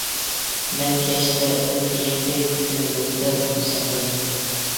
مەن كەچتە ئۇ دېگەندەك كۆل بويىدا ئۇنى ساقلىدىم.